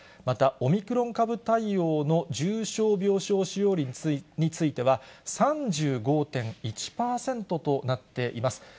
またオミクロン株対応の重症病床使用率については、３５．１％となっています。